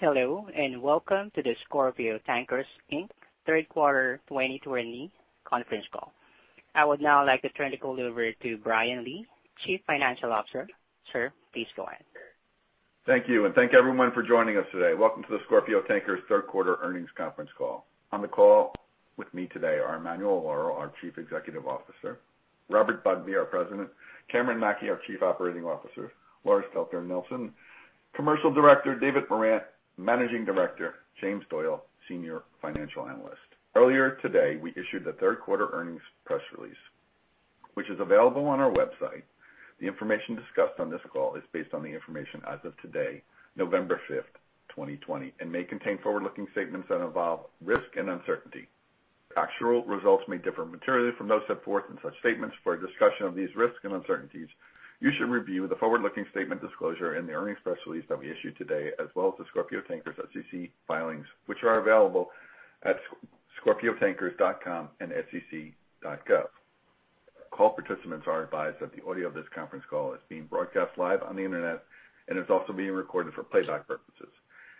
Hello, and welcome to the Scorpio Tankers Inc., third quarter 2020, conference call. I would now like to turn the call over to Brian Lee, Chief Financial Officer. Sir, please go ahead. Thank you, and thank everyone for joining us today. Welcome to the Scorpio Tankers third quarter earnings conference call. On the call with me today are Emanuele Lauro, our Chief Executive Officer, Robert Bugbee, our President, Cameron Mackey, our Chief Operating Officer, Lars Dencker Nielsen, Commercial Director, David Morant, Managing Director, James Doyle, Senior Financial Analyst. Earlier today, we issued the third quarter earnings press release, which is available on our website. The information discussed on this call is based on the information as of today, November 5th, 2020, and may contain forward-looking statements that involve risk and uncertainty. Actual results may differ materially from those set forth in such statements. For discussion of these risks and uncertainties, you should review the forward-looking statement disclosure and the earnings press release that we issued today, as well as the Scorpio Tankers SEC filings, which are available at scorpio tankers.com and sec.gov. Call participants are advised that the audio of this conference call is being broadcast live on the internet and is also being recorded for playback purposes.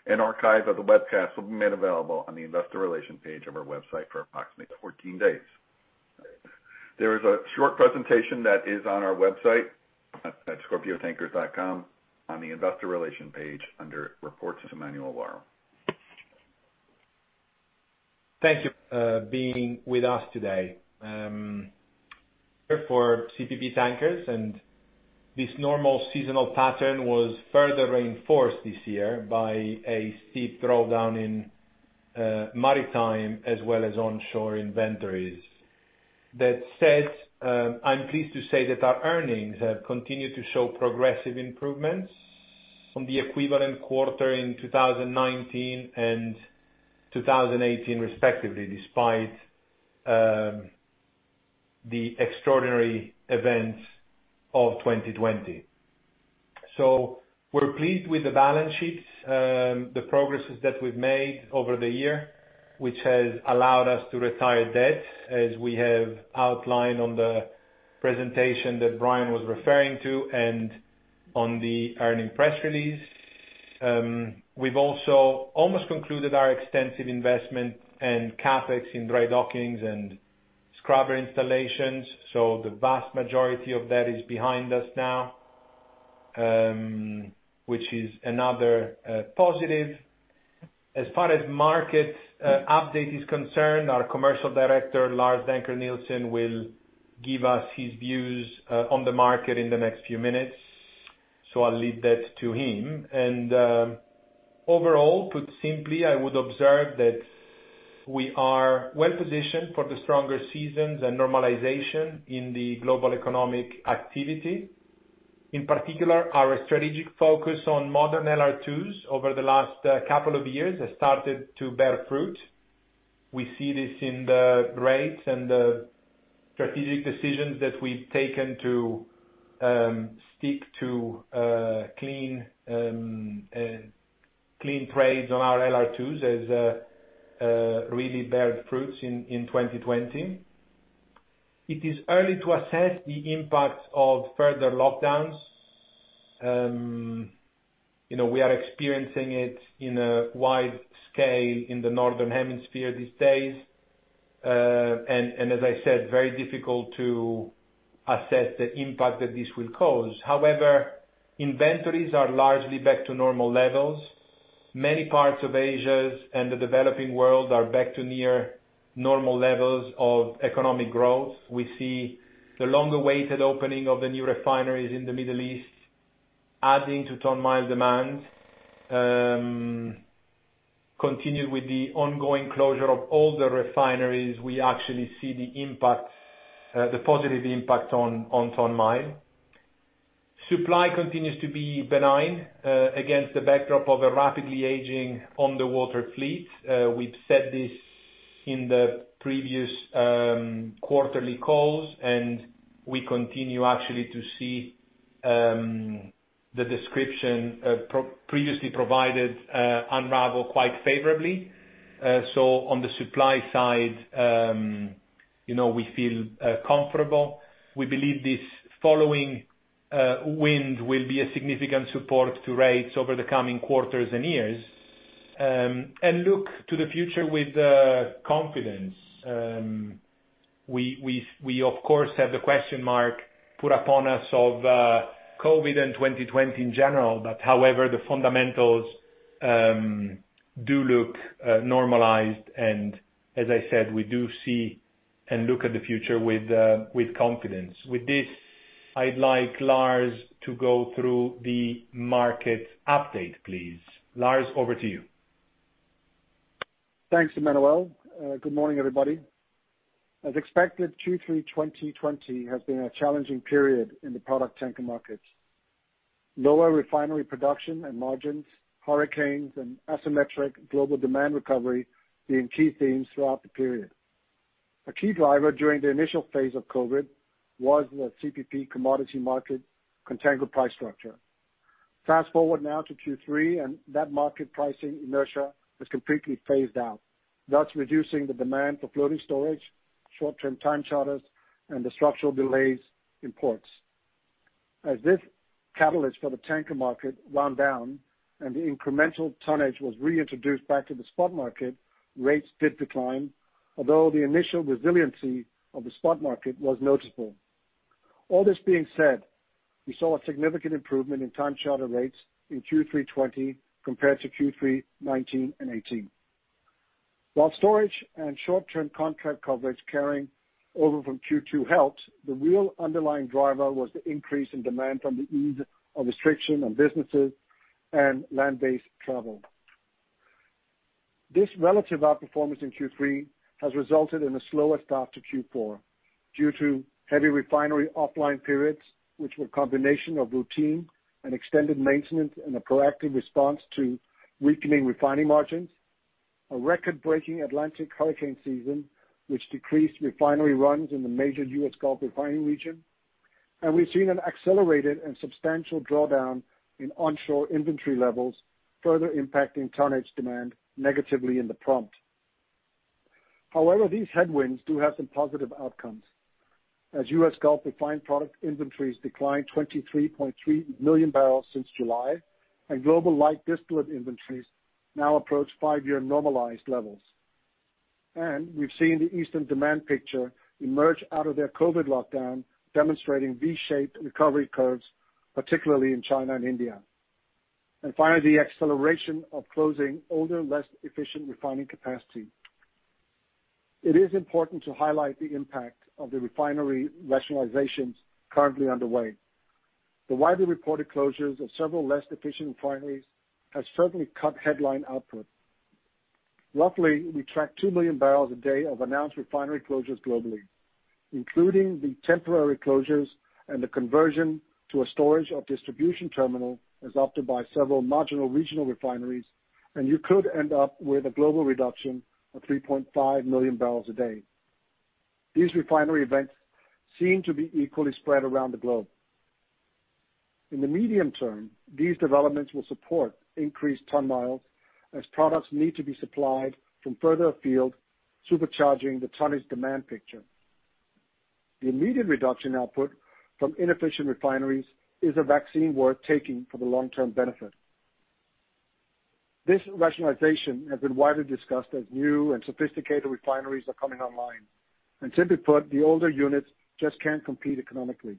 An archive of the webcast will be made available on the investor relations page of our website for approximately 14 days. There is a short presentation that is on our website at Scorpio Tankers.com on the investor relations page under reports to Emanuele Lauro. Thank you for being with us today. Here for CPP Tankers, and this normal seasonal pattern was further reinforced this year by a steep drawdown in maritime as well as onshore inventories. That said, I'm pleased to say that our earnings have continued to show progressive improvements from the equivalent quarter in 2019 and 2018, respectively, despite the extraordinary events of 2020. So we're pleased with the balance sheets, the progress that we've made over the year, which has allowed us to retire debt, as we have outlined on the presentation that Brian was referring to and on the earnings press release. We've also almost concluded our extensive investment and CapEx in dry dockings and scrubber installations, so the vast majority of that is behind us now, which is another positive. As far as market update is concerned, our Commercial Director, Lars Dencker Nielsen, will give us his views on the market in the next few minutes, so I'll leave that to him. Overall, put simply, I would observe that we are well positioned for the stronger seasons and normalization in the global economic activity. In particular, our strategic focus on modern LR2s over the last couple of years has started to bear fruit. We see this in the rates and the strategic decisions that we've taken to stick to clean trades on our LR2s has really borne fruits in 2020. It is early to assess the impact of further lockdowns. We are experiencing it on a wide scale in the northern hemisphere these days, and as I said, very difficult to assess the impact that this will cause. However, inventories are largely back to normal levels. Many parts of Asia and the developing world are back to near normal levels of economic growth. We see the long-awaited opening of the new refineries in the Middle East adding to ton-mile demand. Continue with the ongoing closure of all the refineries. We actually see the positive impact on ton-mile. Supply continues to be benign against the backdrop of a rapidly aging underwater fleet. We've said this in the previous quarterly calls, and we continue actually to see the description previously provided unravel quite favorably, so on the supply side, we feel comfortable. We believe this following wind will be a significant support to rates over the coming quarters and years, and look to the future with confidence. We, of course, have the question mark put upon us of COVID and 2020 in general, but however, the fundamentals do look normalized. As I said, we do see and look at the future with confidence. With this, I'd like Lars to go through the market update, please. Lars, over to you. Thanks, Emanuele. Good morning, everybody. As expected, Q3 2020 has been a challenging period in the product tanker markets. Lower refinery production and margins, hurricanes, and asymmetric global demand recovery have been key themes throughout the period. A key driver during the initial phase of COVID was the CPP commodity market contango price structure. Fast forward now to Q3, and that market pricing inertia has completely phased out, thus reducing the demand for floating storage, short-term time charters, and the structural delays in ports. As this catalyst for the tanker market wound down and the incremental tonnage was reintroduced back to the spot market, rates did decline, although the initial resiliency of the spot market was noticeable. All this being said, we saw a significant improvement in time charter rates in Q3 2020 compared to Q3 2019 and 2018. While storage and short-term contract coverage carrying over from Q2 helped, the real underlying driver was the increase in demand from the ease of restriction on businesses and land-based travel. This relative outperformance in Q3 has resulted in a slower start to Q4 due to heavy refinery offline periods, which were a combination of routine and extended maintenance and a proactive response to weakening refining margins. A record-breaking Atlantic hurricane season which decreased refinery runs in the major U.S. Gulf refining region, and we've seen an accelerated and substantial drawdown in onshore inventory levels, further impacting tonnage demand negatively in the prompt. However, these headwinds do have some positive outcomes, as U.S. Gulf refined product inventories declined 23.3 million barrels since July, and global light distillate inventories now approach five-year normalized levels. We've seen the eastern demand picture emerge out of their COVID lockdown, demonstrating V-shaped recovery curves, particularly in China and India. Finally, the acceleration of closing older, less efficient refining capacity. It is important to highlight the impact of the refinery rationalizations currently underway. The widely reported closures of several less efficient refineries have certainly cut headline output. Roughly, we track two million barrels a day of announced refinery closures globally, including the temporary closures and the conversion to a storage or distribution terminal as opted by several marginal regional refineries, and you could end up with a global reduction of 3.5 million barrels a day. These refinery events seem to be equally spread around the globe. In the medium term, these developments will support increased ton-miles as products need to be supplied from further afield, supercharging the tonnage demand picture. The immediate reduction output from inefficient refineries is a vaccine worth taking for the long-term benefit. This rationalization has been widely discussed as new and sophisticated refineries are coming online, and simply put, the older units just can't compete economically.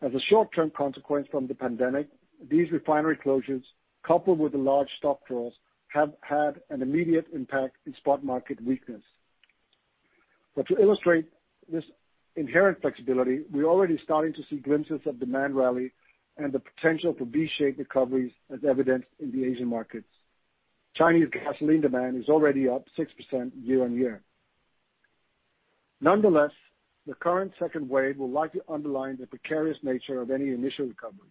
As a short-term consequence from the pandemic, these refinery closures, coupled with the large stock draws, have had an immediate impact in spot market weakness, but to illustrate this inherent flexibility, we're already starting to see glimpses of demand rally and the potential for V-shaped recoveries as evidenced in the Asian markets. Chinese gasoline demand is already up 6% year on year. Nonetheless, the current second wave will likely underline the precarious nature of any initial recovery.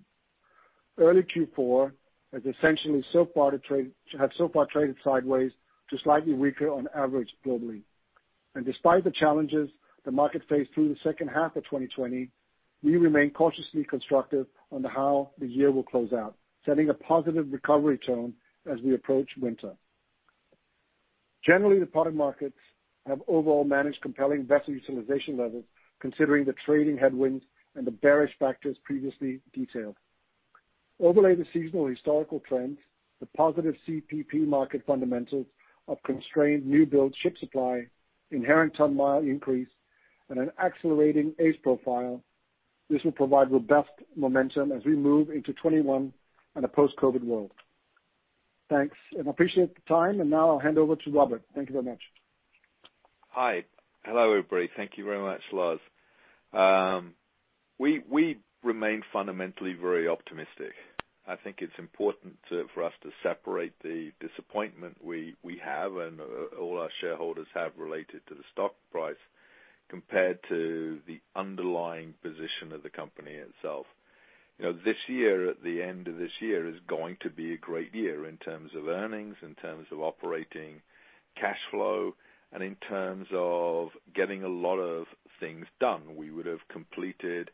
Early Q4 has essentially so far traded sideways to slightly weaker on average globally. And despite the challenges the market faced through the second half of 2020, we remain cautiously constructive on how the year will close out, setting a positive recovery tone as we approach winter. Generally, the product markets have overall managed compelling vessel utilization levels, considering the trading headwinds and the bearish factors previously detailed. Overlay the seasonal historical trends, the positive CPP market fundamentals of constrained new-build ship supply, inherent ton-mile increase, and an accelerating ace profile, this will provide robust momentum as we move into 2021 and a post-COVID world. Thanks. And I appreciate the time, and now I'll hand over to Robert. Thank you very much. Hi. Hello, everybody. Thank you very much, Lars. We remain fundamentally very optimistic. I think it's important for us to separate the disappointment we have and all our shareholders have related to the stock price compared to the underlying position of the company itself. This year, at the end of this year, is going to be a great year in terms of earnings, in terms of operating cash flow, and in terms of getting a lot of things done. We would have completed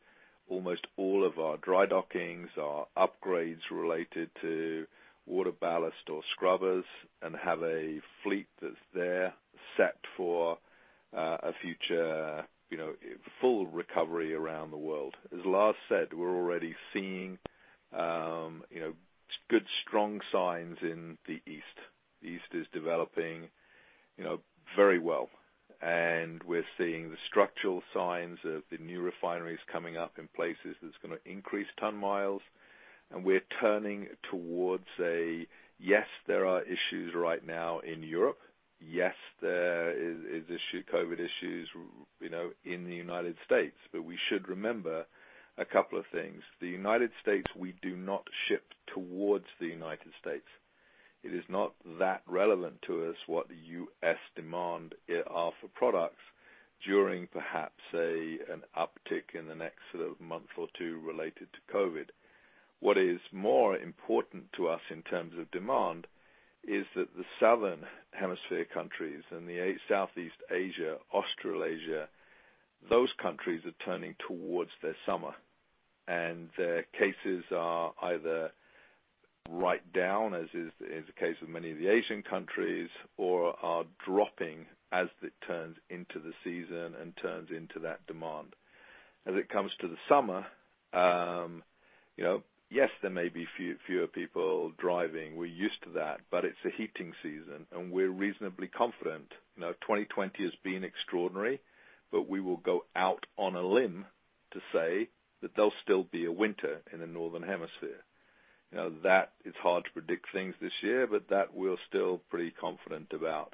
almost all of our dry dockings, our upgrades related to water ballast or scrubbers, and have a fleet that's there set for a future full recovery around the world. As Lars said, we're already seeing good, strong signs in the east. The east is developing very well, and we're seeing the structural signs of the new refineries coming up in places that's going to increase ton miles. And we're turning towards a, yes, there are issues right now in Europe. Yes, there are COVID issues in the United States, but we should remember a couple of things. The United States, we do not ship towards the United States. It is not that relevant to us what the US demand are for products during perhaps an uptick in the next month or two related to COVID. What is more important to us in terms of demand is that the southern hemisphere countries and the east, Southeast Asia, Australasia, those countries are turning towards their summer, and their cases are either right down, as is the case of many of the Asian countries, or are dropping as it turns into the season and turns into that demand. As it comes to the summer, yes, there may be fewer people driving. We're used to that, but it's a heating season, and we're reasonably confident. 2020 has been extraordinary, but we will go out on a limb to say that there'll still be a winter in the northern hemisphere. That is hard to predict things this year, but that we're still pretty confident about.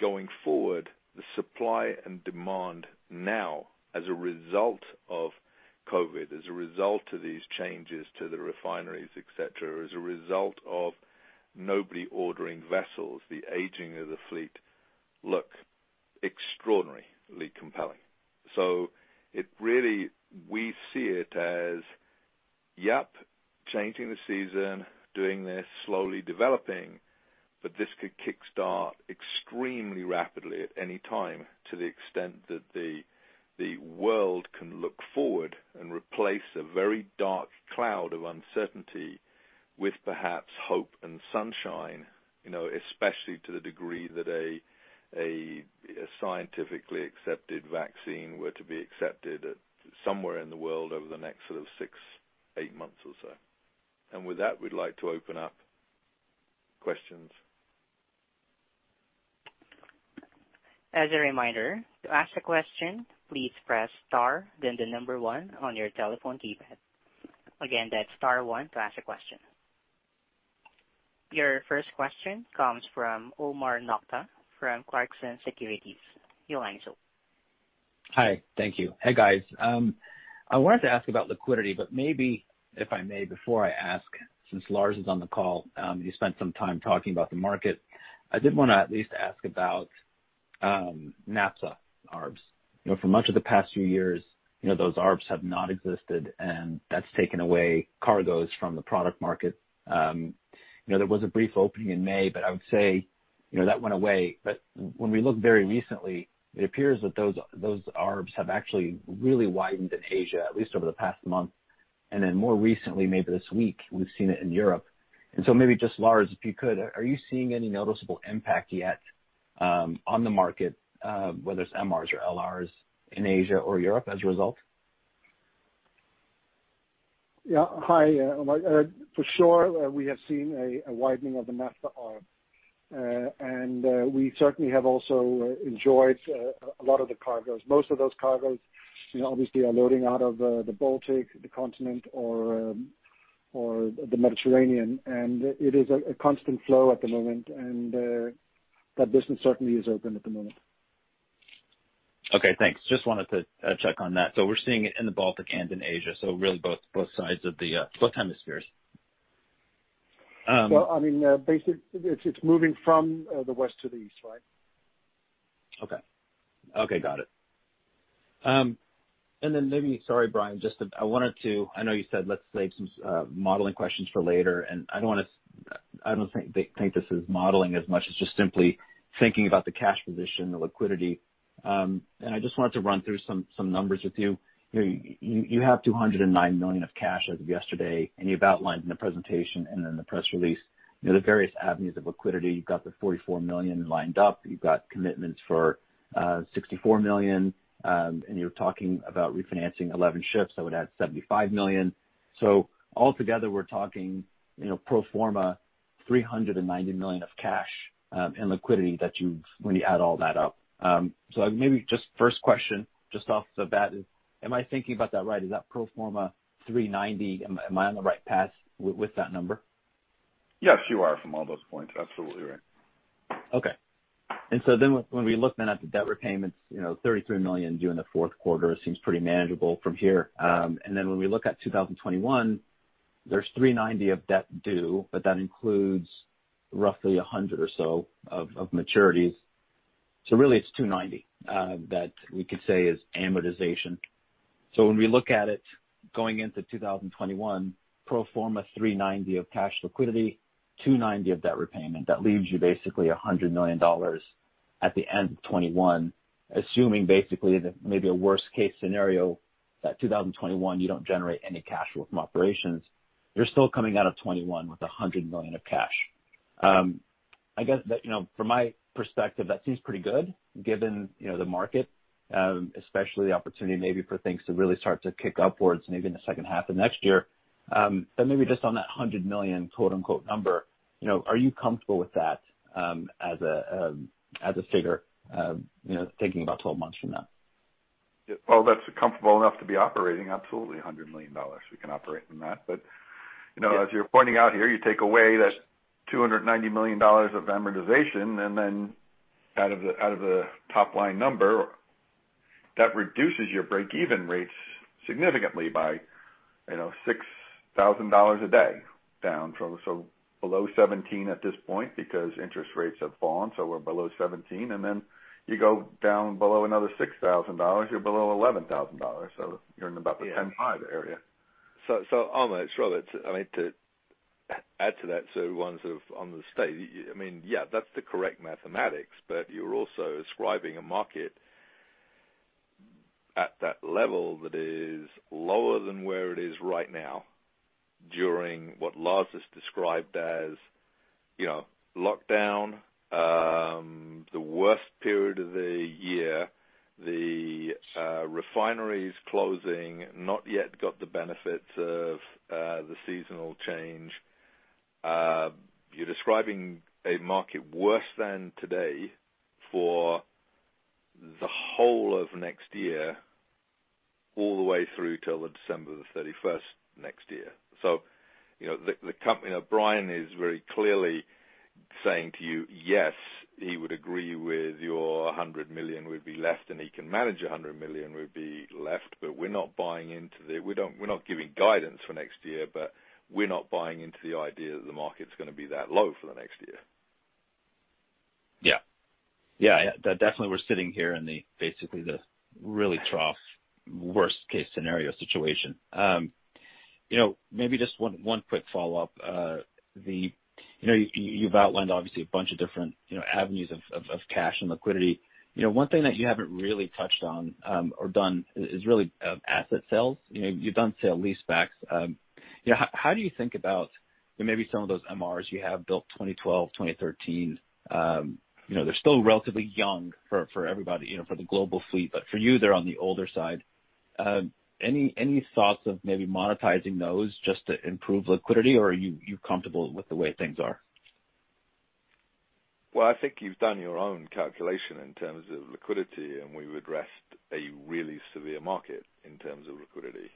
Going forward, the supply and demand now as a result of COVID, as a result of these changes to the refineries, etc., as a result of nobody ordering vessels, the aging of the fleet, look extraordinarily compelling. So really, we see it as, yep, changing the season, doing this, slowly developing, but this could kickstart extremely rapidly at any time to the extent that the world can look forward and replace a very dark cloud of uncertainty with perhaps hope and sunshine, especially to the degree that a scientifically accepted vaccine were to be accepted somewhere in the world over the next six to eight months or so. And with that, we'd like to open up questions. As a reminder, to ask a question, please press star, then the number one on your telephone keypad. Again, that's star one to ask a question. Your first question comes from Omar Nokta from Clarksons Platou Securities. You're live now. Hi. Thank you. Hey, guys. I wanted to ask about liquidity, but maybe, if I may, before I ask, since Lars is on the call, you spent some time talking about the market. I did want to at least ask about naphtha ARBs. For much of the past few years, those ARBs have not existed, and that's taken away cargoes from the product market. There was a brief opening in May, but I would say that went away. But when we look very recently, it appears that those ARBs have actually really widened in Asia, at least over the past month, and then more recently, maybe this week, we've seen it in Europe, and so maybe just Lars, if you could, are you seeing any noticeable impact yet on the market, whether it's MRs or LRs in Asia or Europe as a result? Yeah. Hi, Omar. For sure, we have seen a widening of the naphtha arb, and we certainly have also enjoyed a lot of the cargoes. Most of those cargoes obviously are loading out of the Baltic, the continent, or the Mediterranean, and it is a constant flow at the moment, and that business certainly is open at the moment. Okay. Thanks. Just wanted to check on that. So we're seeing it in the Baltic and in Asia, so really both sides of both hemispheres. I mean, basically, it's moving from the west to the east, right? Okay. Okay. Got it. And then maybe, sorry, Brian, just I wanted to. I know you said, "Let's save some modeling questions for later," and I don't think this is modeling as much as just simply thinking about the cash position, the liquidity. And I just wanted to run through some numbers with you. You have $209 million of cash as of yesterday, and you've outlined in the presentation and in the press release the various avenues of liquidity. You've got the $44 million lined up. You've got commitments for $64 million, and you're talking about refinancing 11 ships. That would add $75 million. So altogether, we're talking pro forma $390 million of cash and liquidity when you add all that up. So maybe just first question, just off the bat, am I thinking about that right? Is that pro forma 390? Am I on the right path with that number? Yes, you are from all those points. Absolutely right. Okay. And so then when we look then at the debt repayments, $33 million due in the fourth quarter seems pretty manageable from here. And then when we look at 2021, there's $390 million of debt due, but that includes roughly $100 million or so of maturities. So really, it's $290 million that we could say is amortization. So when we look at it going into 2021, pro forma $390 million of cash liquidity, $290 million of debt repayment. That leaves you basically $100 million at the end of 2021, assuming basically that maybe a worst-case scenario, that 2021, you don't generate any cash from operations. You're still coming out of 2021 with $100 million of cash. I guess from my perspective, that seems pretty good given the market, especially the opportunity maybe for things to really start to kick upwards maybe in the second half of next year. But maybe just on that 100 million number, are you comfortable with that as a figure thinking about 12 months from now? Well, that's comfortable enough to be operating. Absolutely, $100 million. We can operate from that. But as you're pointing out here, you take away that $290 million of amortization, and then out of the top-line number, that reduces your break-even rates significantly by $6,000 a day, down from so below 17 at this point because interest rates have fallen, so we're below 17. And then you go down below another $6,000, you're below $11,000. So you're in about the 10-5 area. So Omar, it's Robert. I mean, to add to that, so on the safe side, I mean, yeah, that's the correct mathematics, but you're also ascribing a market at that level that is lower than where it is right now during what Lars has described as lockdown, the worst period of the year, the refineries closing, not yet got the benefits of the seasonal change. You're describing a market worse than today for the whole of next year all the way through till December the 31st next year. So Brian is very clearly saying to you, "Yes, he would agree with your $100 million would be left, and he can manage $100 million would be left, but we're not buying into the we're not giving guidance for next year, but we're not buying into the idea that the market's going to be that low for the next year." Yeah. Yeah. Definitely, we're sitting here in basically the really trough worst-case scenario situation. Maybe just one quick follow-up. You've outlined obviously a bunch of different avenues of cash and liquidity. One thing that you haven't really touched on or done is really asset sales. You've done sale leasebacks. How do you think about maybe some of those MRs you have built 2012, 2013? They're still relatively young for everybody, for the global fleet, but for you, they're on the older side. Any thoughts of maybe monetizing those just to improve liquidity, or are you comfortable with the way things are? I think you've done your own calculation in terms of liquidity, and we would see a really severe market in terms of liquidity.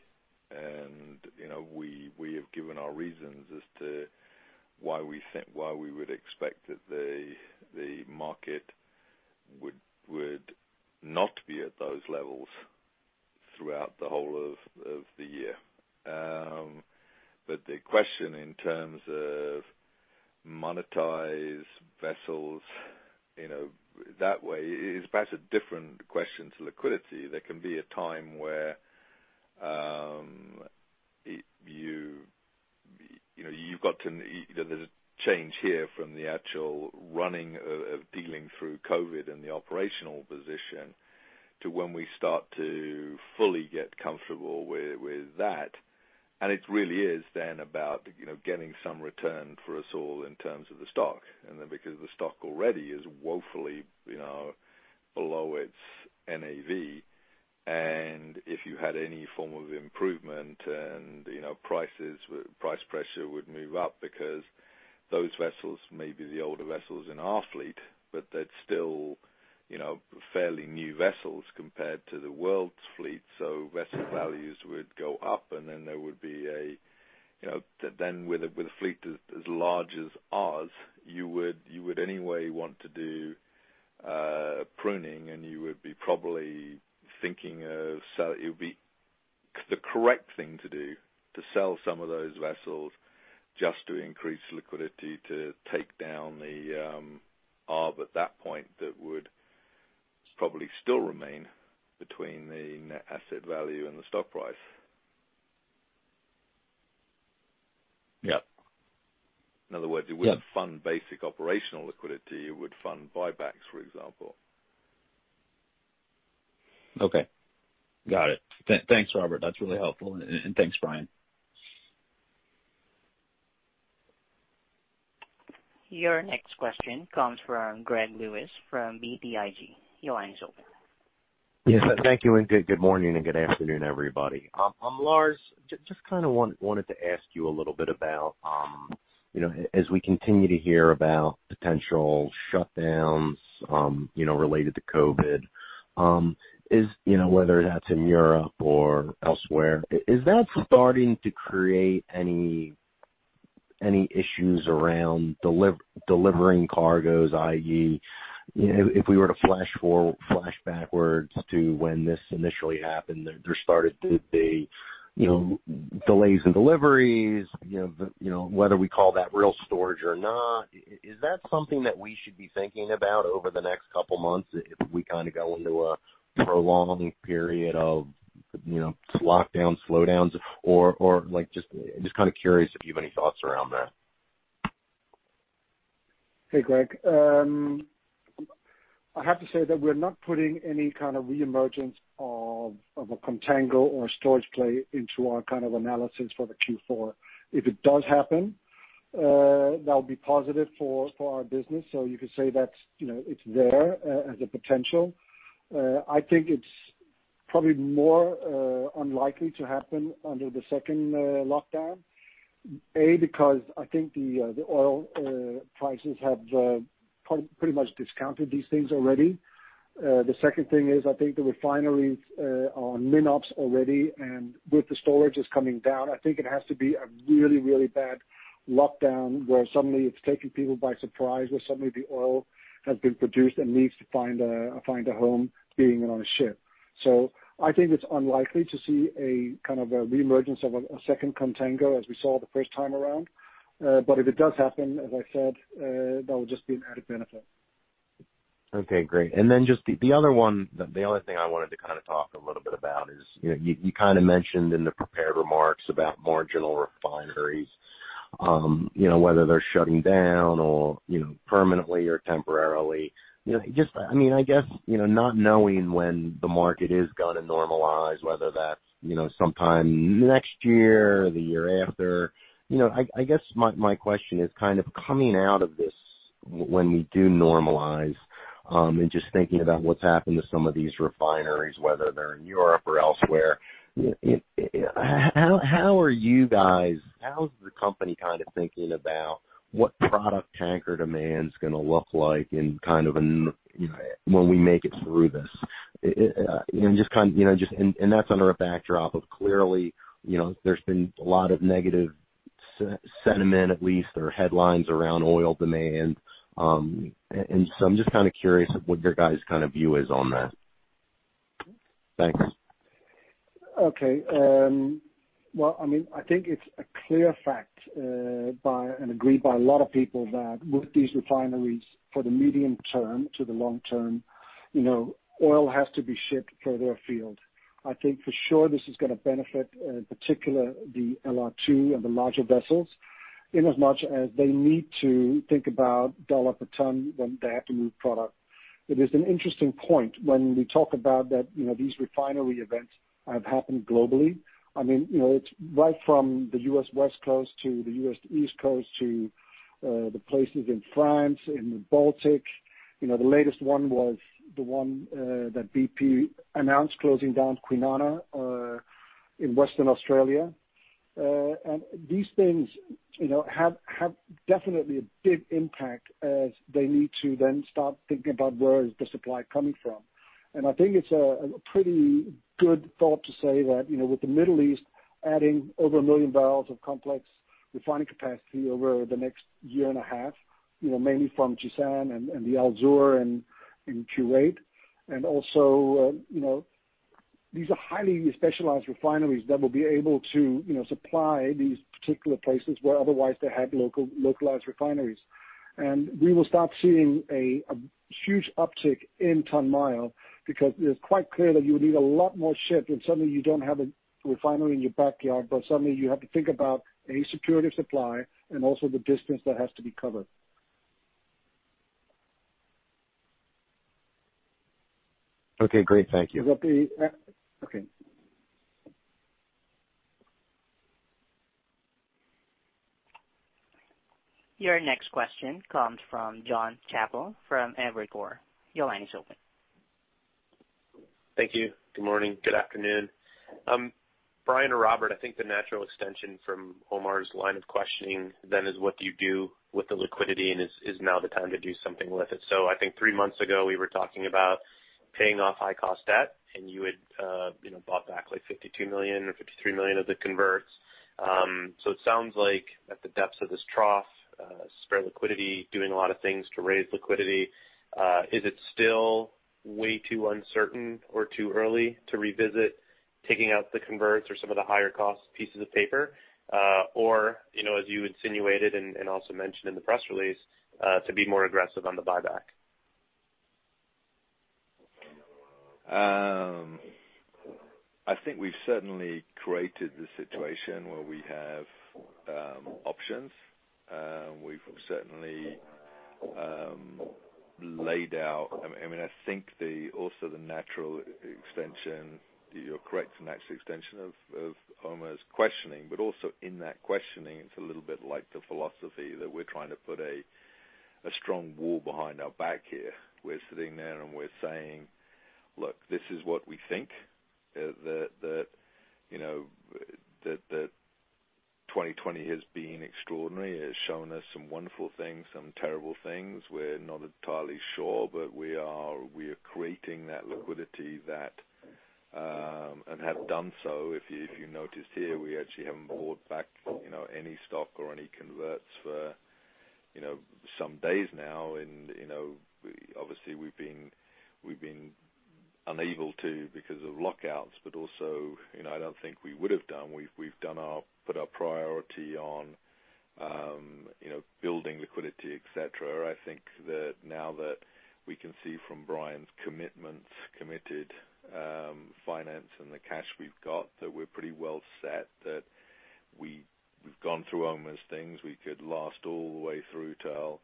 We have given our reasons as to why we would expect that the market would not be at those levels throughout the whole of the year. The question in terms of monetizing vessels that way is perhaps a different question to liquidity. There can be a time where you've got to. There's a change here from the actual running and dealing through COVID and the operational position to when we start to fully get comfortable with that. It really is then about getting some return for us all in terms of the stock, and then because the stock already is woefully below its NAV. If you had any form of improvement, price pressure would move up because those vessels may be the older vessels in our fleet, but they're still fairly new vessels compared to the world's fleet. So vessel values would go up, and then there would be with a fleet as large as ours, you would anyway want to do pruning, and you would be probably thinking of selling. It would be the correct thing to do to sell some of those vessels just to increase liquidity to take down the ARB at that point that would probably still remain between the net asset value and the stock price. Yep. In other words, it wouldn't fund basic operational liquidity. It would fund buybacks, for example. Okay. Got it. Thanks, Robert. That's really helpful, and thanks, Brian. Your next question comes from Greg Lewis from BTIG. Your line is open. Yes. Thank you. And good morning and good afternoon, everybody. I'm Lars. Just kind of wanted to ask you a little bit about, as we continue to hear about potential shutdowns related to COVID, whether that's in Europe or elsewhere, is that starting to create any issues around delivering cargoes, i.e., if we were to flash backwards to when this initially happened, there started to be delays in deliveries, whether we call that floating storage or not? Is that something that we should be thinking about over the next couple of months if we kind of go into a prolonged period of lockdowns, slowdowns? Or just kind of curious if you have any thoughts around that. Hey, Greg. I have to say that we're not putting any kind of reemergence of a contango or a storage play into our kind of analysis for the Q4. If it does happen, that would be positive for our business. So you could say that it's there as a potential. I think it's probably more unlikely to happen under the second lockdown, A, because I think the oil prices have pretty much discounted these things already. The second thing is I think the refineries are on min-ops already, and with the storage that's coming down, I think it has to be a really, really bad lockdown where suddenly it's taking people by surprise, where suddenly the oil has been produced and needs to find a home being on a ship. So I think it's unlikely to see a kind of a reemergence of a second contango as we saw the first time around. But if it does happen, as I said, that would just be an added benefit. Okay. Great. And then just the other one, the other thing I wanted to kind of talk a little bit about is you kind of mentioned in the prepared remarks about marginal refineries, whether they're shutting down permanently or temporarily. I mean, I guess not knowing when the market is going to normalize, whether that's sometime next year or the year after. I guess my question is kind of coming out of this when we do normalize and just thinking about what's happened to some of these refineries, whether they're in Europe or elsewhere. How's the company kind of thinking about what product tanker demand's going to look like in kind of when we make it through this? And just kind of and that's under a backdrop of clearly there's been a lot of negative sentiment, at least or headlines around oil demand. And so I'm just kind of curious what your guys' kind of view is on that. Thanks. Okay. Well, I mean, I think it's a clear fact and agreed by a lot of people that with these refineries for the medium term to the long term, oil has to be shipped further afield. I think for sure this is going to benefit, in particular, the LR2 and the larger vessels in as much as they need to think about dollar per ton when they have to move product. It is an interesting point when we talk about that these refinery events have happened globally. I mean, it's right from the U.S. West Coast to the U.S. East Coast to the places in France, in the Baltic. The latest one was the one that BP announced closing down Kwinana in Western Australia. And these things have definitely a big impact as they need to then start thinking about where is the supply coming from. I think it's a pretty good thought to say that with the Middle East adding over a million barrels of complex refining capacity over the next year and a half, mainly from Jizan and the Al Zour and Kuwait. Also, these are highly specialized refineries that will be able to supply these particular places where otherwise they had localized refineries. We will start seeing a huge uptick in ton-mile because it's quite clear that you would need a lot more ships. Suddenly you don't have a refinery in your backyard, but suddenly you have to think about a security of supply and also the distance that has to be covered. Okay. Great. Thank you. Okay. Your next question comes from Jonathan Chappell from Evercore ISI. Your line is open. Thank you. Good morning. Good afternoon. Brian or Robert, I think the natural extension from Omar's line of questioning then is what do you do with the liquidity and is now the time to do something with it. So I think three months ago we were talking about paying off high-cost debt, and you had bought back like $52 million or $53 million of the converts. So it sounds like at the depths of this trough, spare liquidity doing a lot of things to raise liquidity. Is it still way too uncertain or too early to revisit taking out the converts or some of the higher-cost pieces of paper, or, as you insinuated and also mentioned in the press release, to be more aggressive on the buyback? I think we've certainly created the situation where we have options. We've certainly laid out I mean, I think also the natural extension you're correct, the natural extension of Omar's questioning. But also in that questioning, it's a little bit like the philosophy that we're trying to put a strong wall behind our back here. We're sitting there and we're saying, "Look, this is what we think that 2020 has been extraordinary. It has shown us some wonderful things, some terrible things. We're not entirely sure, but we are creating that liquidity that and have done so." If you noticed here, we actually haven't bought back any stock or any converts for some days now. And obviously, we've been unable to because of lockouts, but also I don't think we would have done. We've put our priority on building liquidity, etc. I think that now that we can see from Brian's commitments, committed finance, and the cash we've got that we're pretty well set, that we've gone through Omar's things. We could last all the way through till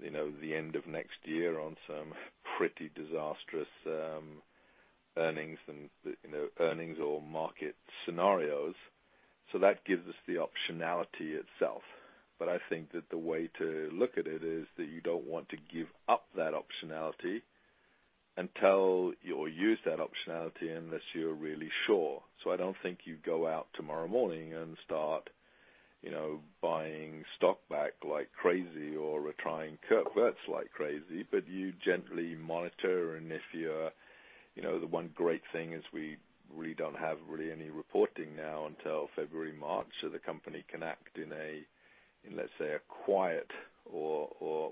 the end of next year on some pretty disastrous earnings or market scenarios, so that gives us the optionality itself, but I think that the way to look at it is that you don't want to give up that optionality until you'll use that optionality unless you're really sure, so I don't think you go out tomorrow morning and start buying stock back like crazy or trying converts like crazy, but you gently monitor. And if you're the one great thing is we really don't have any reporting now until February, March, so the company can act in, let's say, a quiet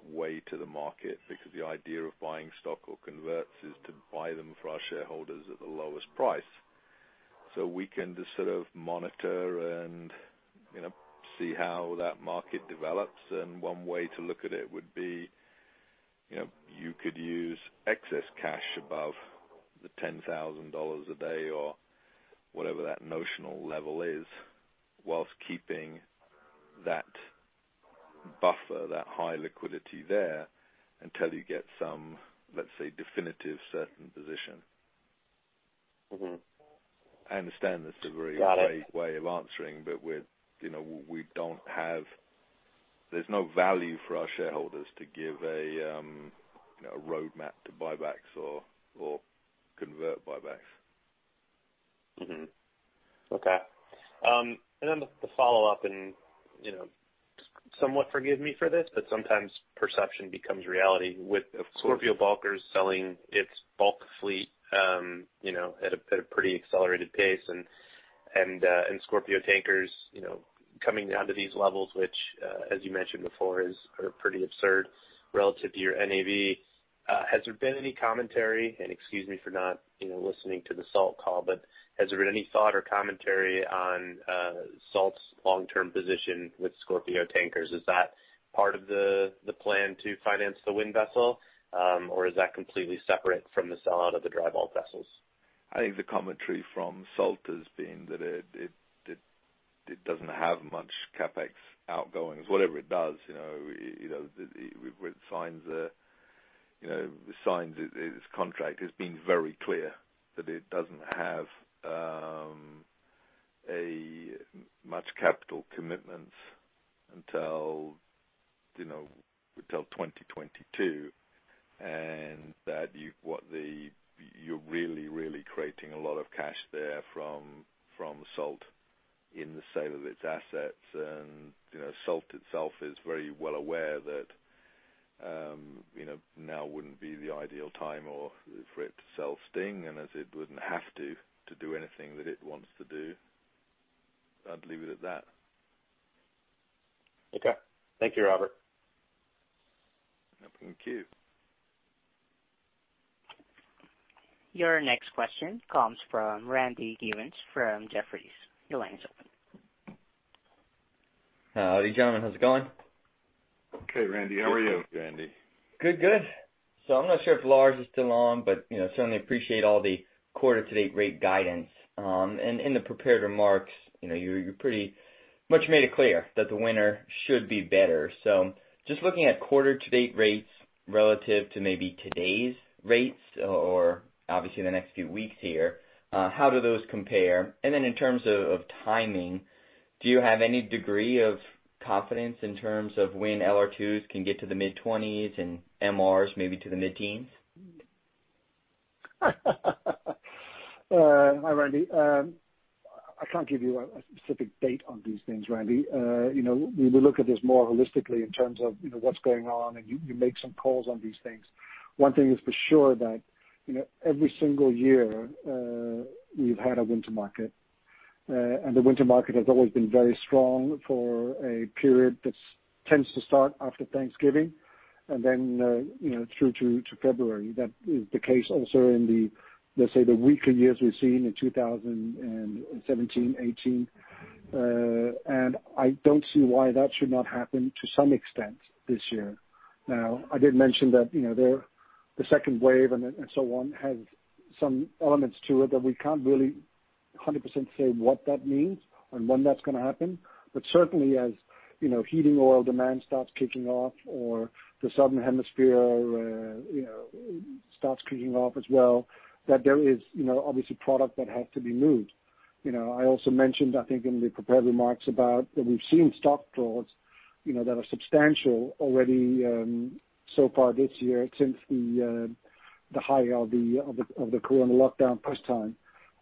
way to the market because the idea of buying stock or converts is to buy them for our shareholders at the lowest price. So we can just sort of monitor and see how that market develops. And one way to look at it would be you could use excess cash above the $10,000 a day or whatever that notional level is while keeping that buffer, that high liquidity there until you get some, let's say, definitive certain position. I understand this is a very vague way of answering, but there's no value for our shareholders to give a roadmap to buybacks or convert buybacks. Okay. Then the follow-up, and somewhat forgive me for this, but sometimes perception becomes reality with Scorpio Bulkers selling its bulk fleet at a pretty accelerated pace and Scorpio Tankers coming down to these levels, which, as you mentioned before, are pretty absurd relative to your NAV. Has there been any commentary? And excuse me for not listening to the SALT call, but has there been any thought or commentary on SALT's long-term position with Scorpio Tankers? Is that part of the plan to finance the wind vessel, or is that completely separate from the sellout of the dry bulk vessels? I think the commentary from SALT has been that it doesn't have much CapEx outgoings. Whatever it does, with signs that it's contracted, it's been very clear that it doesn't have much capital commitments until 2022 and that you're really, really creating a lot of cash there from SALT in the sale of its assets. SALT itself is very well aware that now wouldn't be the ideal time for it to sell STNG, and as it wouldn't have to do anything that it wants to do. I'd leave it at that. Okay. Thank you, Robert. Thank you. Your next question comes from Randy Givens from Jefferies. Your line is open. Howdy, gentlemen. How's it going? Okay, Randy. How are you, Randy? Good, good. So I'm not sure if Lars is still on, but certainly appreciate all the quarter-to-date rate guidance. And in the prepared remarks, you pretty much made it clear that the winter should be better. So just looking at quarter-to-date rates relative to maybe today's rates or obviously the next few weeks here, how do those compare? And then in terms of timing, do you have any degree of confidence in terms of when LR2s can get to the mid-20s and MRs maybe to the mid-teens? Hi, Randy. I can't give you a specific date on these things, Randy. We look at this more holistically in terms of what's going on, and you make some calls on these things. One thing is for sure that every single year we've had a winter market, and the winter market has always been very strong for a period that tends to start after Thanksgiving and then through to February. That is the case also in the, let's say, weaker years we've seen in 2017, 2018, and I don't see why that should not happen to some extent this year. Now, I did mention that the second wave and so on has some elements to it that we can't really 100% say what that means and when that's going to happen. But certainly, as heating oil demand starts kicking off or the southern hemisphere starts kicking off as well, that there is obviously product that has to be moved. I also mentioned, I think, in the prepared remarks about that we've seen stock draws that are substantial already so far this year since the high of the corona lockdown first time.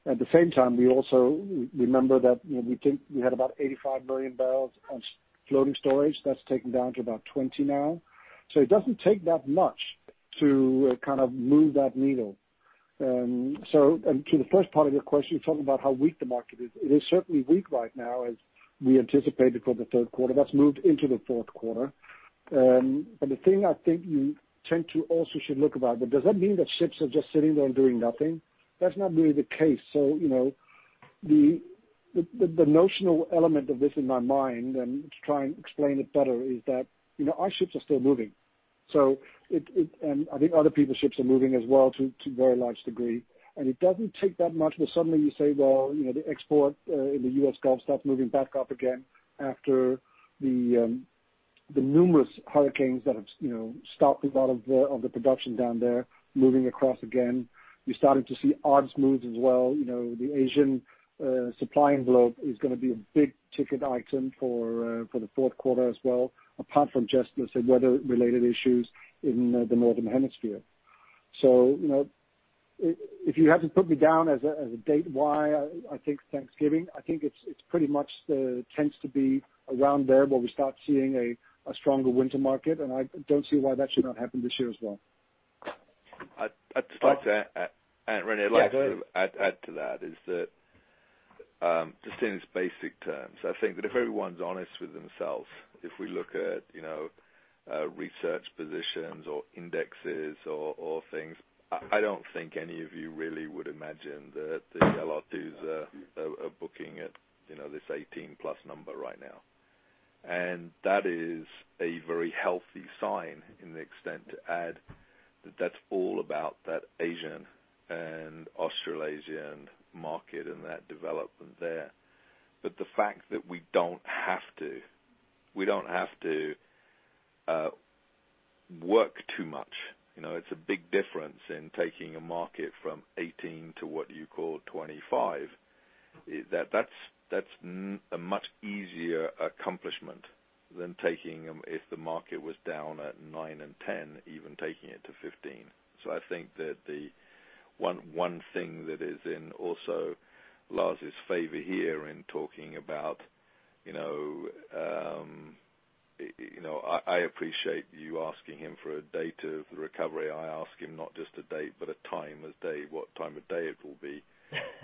At the same time, we also remember that we think we had about 85 million barrels of floating storage. That's taken down to about 20 now. So it doesn't take that much to kind of move that needle. And to the first part of your question, you're talking about how weak the market is. It is certainly weak right now, as we anticipated for the third quarter. That's moved into the fourth quarter. But the thing I think you tend to also should look about, but does that mean that ships are just sitting there and doing nothing? That's not really the case. So the notional element of this in my mind, and to try and explain it better, is that our ships are still moving. And I think other people's ships are moving as well to a very large degree. And it doesn't take that much where suddenly you say, "Well, the export in the US Gulf starts moving back up again after the numerous hurricanes that have stopped a lot of the production down there moving across again." You're starting to see loads moved as well. The Asian supply envelope is going to be a big ticket item for the fourth quarter as well, apart from just, let's say, weather-related issues in the northern hemisphere. So, if you have to put me down as a date, why? I think Thanksgiving. I think it's pretty much tends to be around there where we start seeing a stronger winter market, and I don't see why that should not happen this year as well. I'd like to add to that. Is that just in its basic terms? I think that if everyone's honest with themselves, if we look at research positions or indexes or things, I don't think any of you really would imagine that the LR2s are booking at this 18-plus number right now. That is a very healthy sign, to the extent to add that that's all about that Asian and Australasian market and that development there. The fact that we don't have to, we don't have to work too much. It's a big difference in taking a market from 18 to what you call 25. That's a much easier accomplishment than taking them if the market was down at 9 and 10, even taking it to 15. I think that the one thing that is also in Lars's favor here in talking about. I appreciate you asking him for a date of the recovery. I ask him not just a date, but a time of day, what time of day it will be.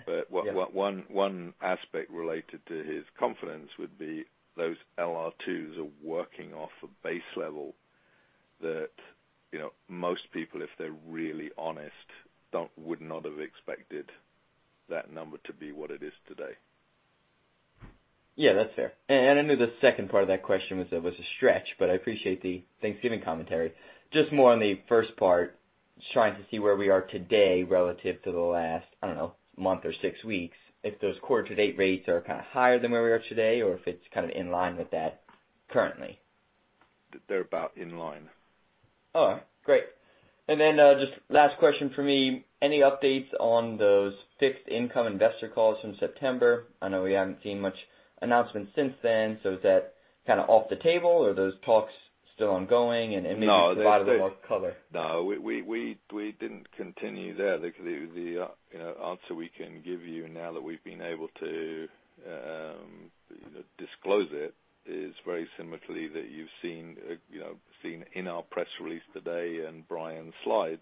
But one aspect related to his confidence would be those LR2s are working off a base level that most people, if they're really honest, would not have expected that number to be what it is today. Yeah, that's fair. And I knew the second part of that question was a stretch, but I appreciate the Thanksgiving commentary. Just more on the first part, trying to see where we are today relative to the last, I don't know, month or six weeks, if those quarter-to-date rates are kind of higher than where we are today or if it's kind of in line with that currently. That they're about in line. All right. Great. And then just last question for me, any updates on those fixed income investor calls from September? I know we haven't seen much announcement since then. So is that kind of off the table, or are those talks still ongoing, and maybe a lot of them are colored? No, we didn't continue there. The answer we can give you now that we've been able to disclose it is very similarly that you've seen in our press release today and Brian's slides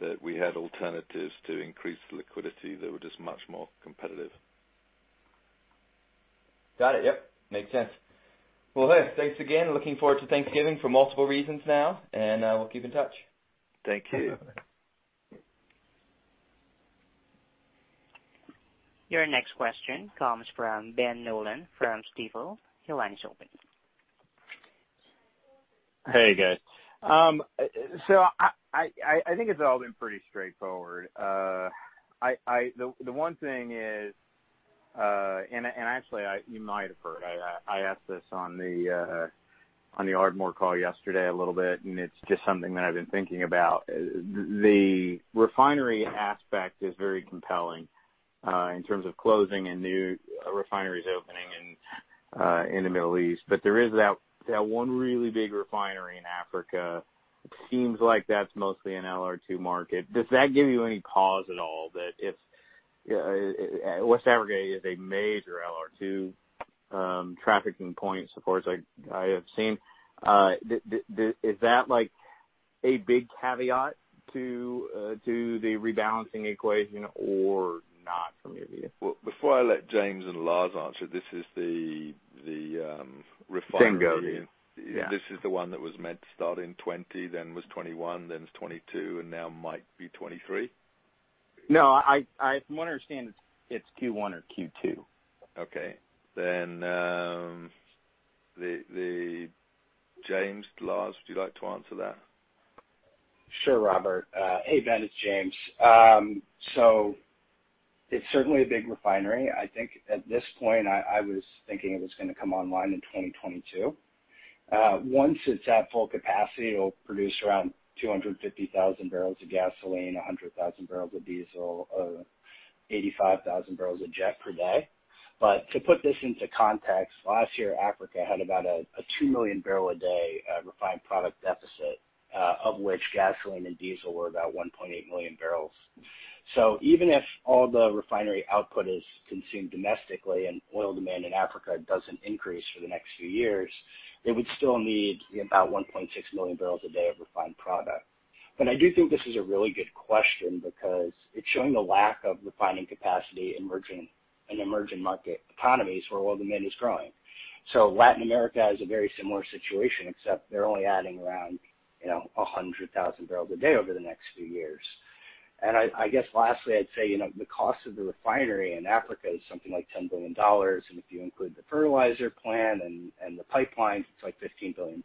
that we had alternatives to increase liquidity that were just much more competitive. Got it. Yep. Makes sense. Well, thanks again. Looking forward to Thanksgiving for multiple reasons now, and we'll keep in touch. Thank you. Your next question comes from Ben Nolan from Stifel. Your line is open. Hey, guys. So I think it's all been pretty straightforward. The one thing is, and actually, you might have heard, I asked this on the Ardmore call yesterday a little bit, and it's just something that I've been thinking about. The refinery aspect is very compelling in terms of closing and new refineries opening in the Middle East. But there is that one really big refinery in Africa. It seems like that's mostly an LR2 market. Does that give you any pause at all that if West Africa is a major LR2 trafficking point, so far as I have seen, is that a big caveat to the rebalancing equation or not from your view? Before I let James and Lars answer, this is the refinery. Stinger. This is the one that was meant to start in 2020, then was 2021, then is 2022, and now might be 2023? No, from what I understand, it's Q1 or Q2. Okay. Then James, Lars, would you like to answer that? Sure, Robert. Hey, Ben, it's James. So it's certainly a big refinery. I think at this point, I was thinking it was going to come online in 2022. Once it's at full capacity, it'll produce around 250,000 barrels of gasoline, 100,000 barrels of diesel, 85,000 barrels of jet per day. But to put this into context, last year, Africa had about a 2 million barrel a day refined product deficit, of which gasoline and diesel were about 1.8 million barrels. So even if all the refinery output is consumed domestically and oil demand in Africa doesn't increase for the next few years, it would still need about 1.6 million barrels a day of refined product. But I do think this is a really good question because it's showing the lack of refining capacity in emerging market economies where oil demand is growing. So Latin America has a very similar situation, except they're only adding around 100,000 barrels a day over the next few years. And I guess lastly, I'd say the cost of the refinery in Africa is something like $10 billion. And if you include the fertilizer plant and the pipelines, it's like $15 billion.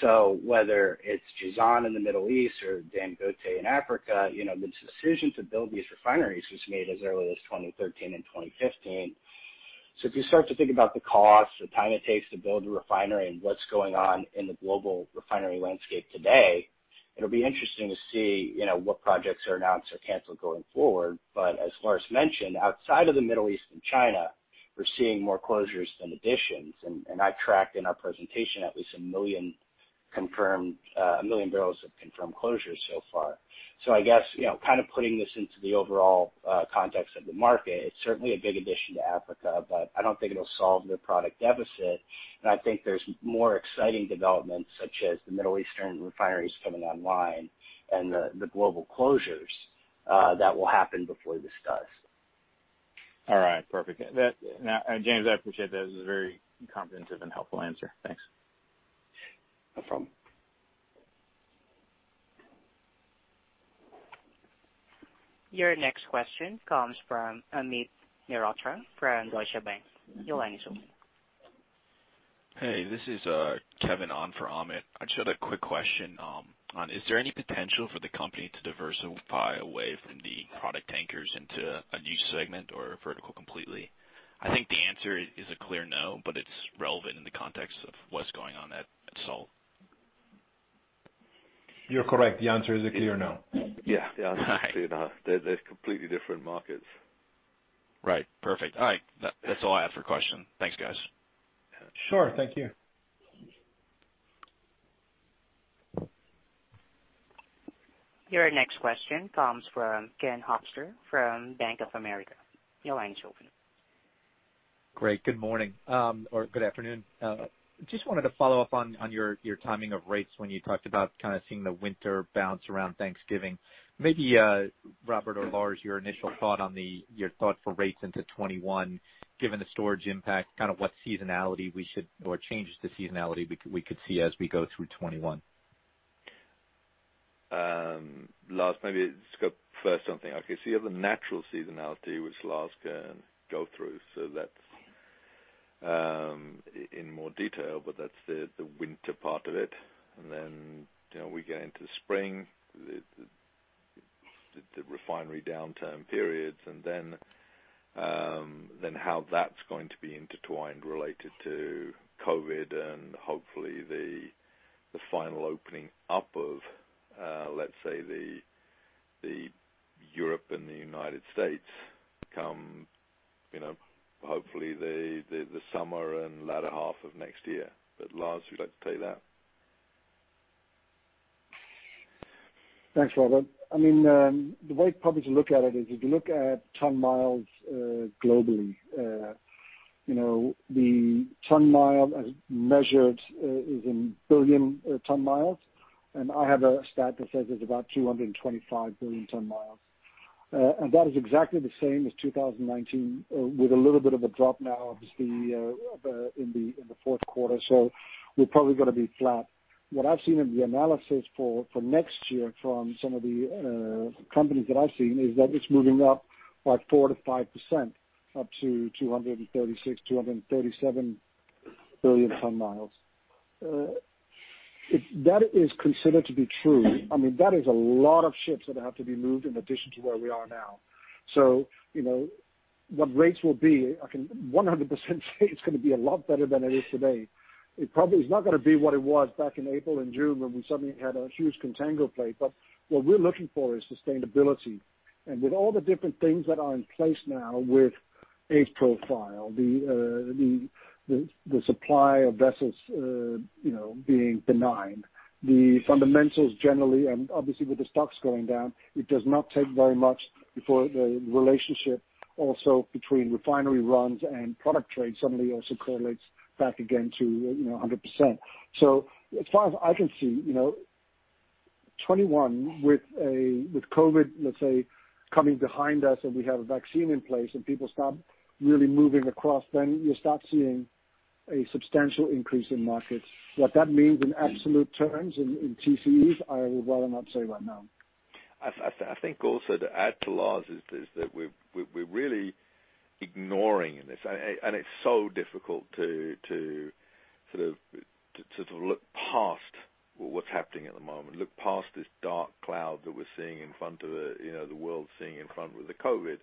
So whether it's Jizan in the Middle East or Dangote in Africa, the decision to build these refineries was made as early as 2013 and 2015. So if you start to think about the cost, the time it takes to build a refinery, and what's going on in the global refinery landscape today, it'll be interesting to see what projects are announced or canceled going forward. But as Lars mentioned, outside of the Middle East and China, we're seeing more closures than additions. I tracked in our presentation at least a million barrels of confirmed closures so far. I guess kind of putting this into the overall context of the market, it's certainly a big addition to Africa, but I don't think it'll solve the product deficit. I think there's more exciting developments such as the Middle Eastern refineries coming online and the global closures that will happen before this does. All right. Perfect. James, I appreciate that. This is a very comprehensive and helpful answer. Thanks. No problem. Your next question comes from Amit Mehrotra from Deutsche Bank. Your line is open. Hey, this is Kevin O'Neal for Amit. I just had a quick question on, is there any potential for the company to diversify away from the product tankers into a new segment or vertical completely? I think the answer is a clear no, but it's relevant in the context of what's going on at SALT. You're correct. The answer is a clear no. Yeah. They're completely different markets. Right. Perfect. All right. That's all I had for a question. Thanks, guys. Sure. Thank you. Your next question comes from Ken Hoexter from Bank of America. Your line is open. Great. Good morning or good afternoon. Just wanted to follow up on your timing of rates when you talked about kind of seeing the winter bounce around Thanksgiving. Maybe, Robert or Lars, your initial thought on your thought for rates into 2021, given the storage impact, kind of what seasonality we should or changes to seasonality we could see as we go through 2021? Lars, maybe just go first something. Okay. So you have the natural seasonality, which Lars can go through, so that's in more detail, but that's the winter part of it, and then we get into spring, the refinery downturn periods, and then how that's going to be intertwined related to COVID and hopefully the final opening up of, let's say, the Europe and the United States come hopefully the summer and latter half of next year, but Lars, would you like to take that? Thanks, Robert. I mean, the way probably to look at it is if you look at ton-miles globally, the ton-mile measured is in billion ton-miles. And I have a stat that says it's about 225 billion ton-miles. And that is exactly the same as 2019, with a little bit of a drop now in the fourth quarter. So we're probably going to be flat. What I've seen in the analysis for next year from some of the companies that I've seen is that it's moving up by 4% to 5% up to 236-237 billion ton-miles. If that is considered to be true, I mean, that is a lot of ships that have to be moved in addition to where we are now. So what rates will be, I can 100% say it's going to be a lot better than it is today. It's not going to be what it was back in April and June when we suddenly had a huge contango play. But what we're looking for is sustainability. And with all the different things that are in place now with age profile, the supply of vessels being benign, the fundamentals generally, and obviously with the stocks going down, it does not take very much before the relationship also between refinery runs and product trade suddenly also correlates back again to 100%. So as far as I can see, 2021 with COVID, let's say, coming behind us and we have a vaccine in place and people start really moving across, then you start seeing a substantial increase in markets. What that means in absolute terms in TCEs, I would rather not say right now. I think also to add to Lars is that we're really ignoring this, and it's so difficult to sort of look past what's happening at the moment, look past this dark cloud that we're seeing in front of the world seeing in front with the COVID.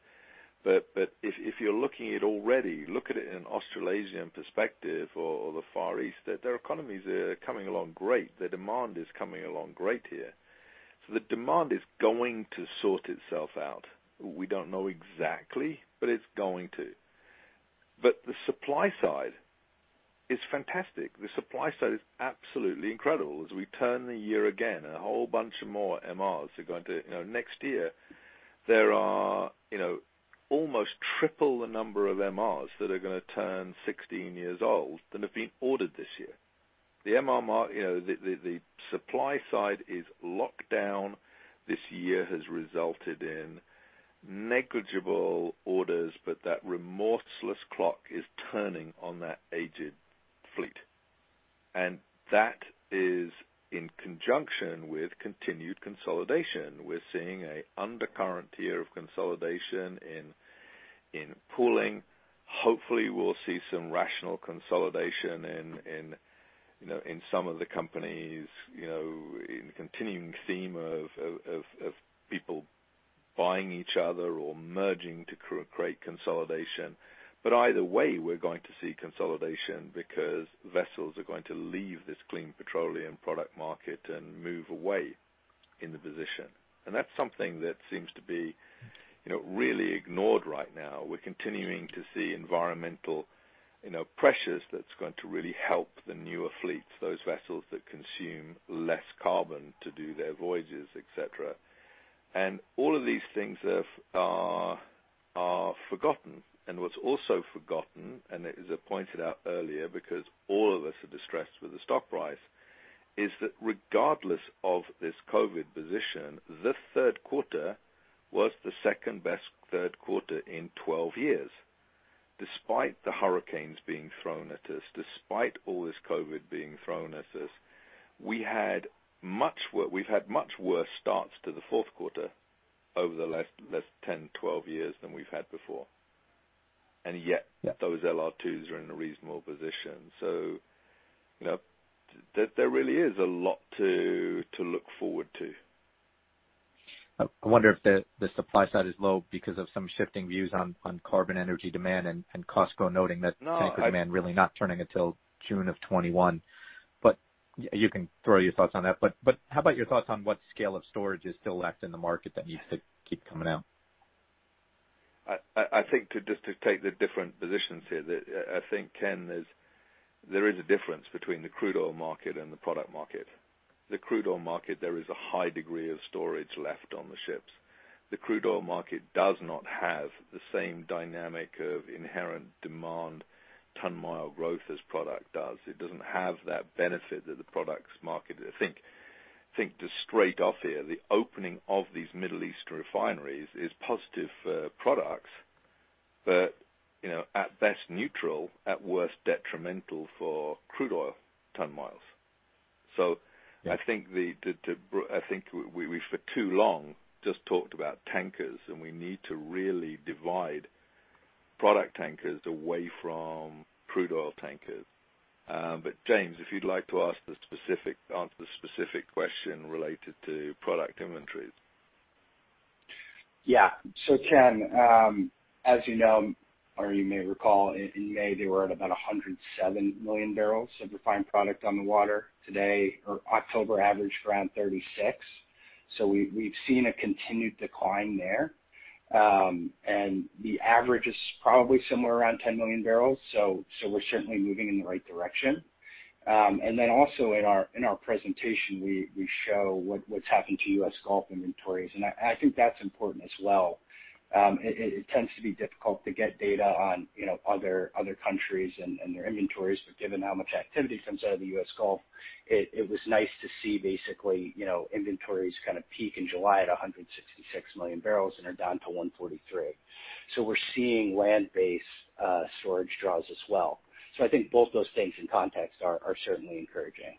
But if you're looking at it already, look at it in an Australasian perspective or the Far East, their economies are coming along great. Their demand is coming along great here, so the demand is going to sort itself out. We don't know exactly, but it's going to. But the supply side is fantastic. The supply side is absolutely incredible. As we turn the year again, a whole bunch of more MRs are going to next year, there are almost triple the number of MRs that are going to turn 16 years old that have been ordered this year. The MR market, the supply side is locked down. This year has resulted in negligible orders, but that remorseless clock is turning on that aged fleet, and that is in conjunction with continued consolidation. We're seeing an undercurrent year of consolidation in pooling. Hopefully, we'll see some rational consolidation in some of the companies, in the continuing theme of people buying each other or merging to create consolidation, but either way, we're going to see consolidation because vessels are going to leave this clean petroleum product market and move away in the position. And that's something that seems to be really ignored right now. We're continuing to see environmental pressures that's going to really help the newer fleets, those vessels that consume less carbon to do their voyages, etc., and all of these things are forgotten. And what's also forgotten, and it was pointed out earlier because all of us are distressed with the stock price, is that regardless of this COVID position, the third quarter was the second best third quarter in 12 years. Despite the hurricanes being thrown at us, despite all this COVID being thrown at us, we had much worse starts to the fourth quarter over the last 10, 12 years than we've had before. And yet, those LR2s are in a reasonable position. So there really is a lot to look forward to. I wonder if the supply side is low because of some shifting views on carbon energy demand and COSCO noting that tankers demand really not turning until June of 2021, but you can throw your thoughts on that, but how about your thoughts on what scale of storage is still left in the market that needs to keep coming out? I think just to take the different positions here, I think, Ken, there is a difference between the crude oil market and the product market. The crude oil market, there is a high degree of storage left on the ships. The crude oil market does not have the same dynamic of inherent demand, ton mile growth as product does. It doesn't have that benefit that the products market. I think just straight off here, the opening of these Middle Eastern refineries is positive for products, but at best neutral, at worst detrimental for crude oil ton miles. So I think we for too long just talked about tankers, and we need to really divide product tankers away from crude oil tankers. But James, if you'd like to answer the specific question related to product inventories. Yeah. So Ken, as you know, or you may recall, in May, they were at about 107 million barrels of refined product on the water. Today, or October average for around 36. So we've seen a continued decline there. And the average is probably somewhere around 10 million barrels. So we're certainly moving in the right direction. And then also in our presentation, we show what's happened to US Gulf inventories. And I think that's important as well. It tends to be difficult to get data on other countries and their inventories, but given how much activity comes out of the US Gulf, it was nice to see basically inventories kind of peak in July at 166 million barrels and are down to 143. So we're seeing land-based storage draws as well. So I think both those things in context are certainly encouraging.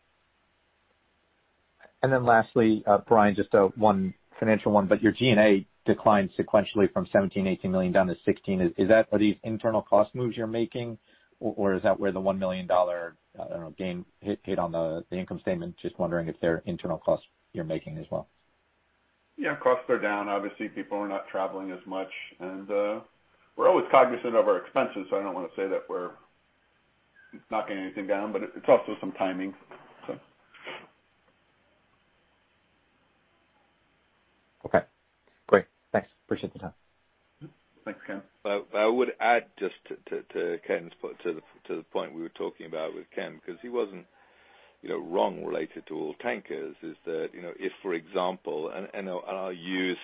Then lastly, Brian, just one financial one, but your G&A declined sequentially from 17-18 million down to 16. Are these internal cost moves you're making, or is that where the $1 million, I don't know, gain hit on the income statement? Just wondering if they're internal costs you're making as well. Yeah. Costs are down. Obviously, people are not traveling as much. And we're always cognizant of our expenses, so I don't want to say that we're knocking anything down, but it's also some timing, so. Okay. Great. Thanks. Appreciate the time. Thanks, Ken. I would add just to Ken's point, to the point we were talking about with Ken, because he wasn't wrong related to all tankers, is that if, for example, and I'll use